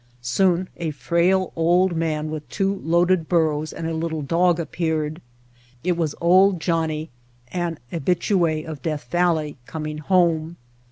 Soon a frail old man with two loaded burros and a little dog appeared. It was "Old Johnnie," an habitue of Death Valley, coming home.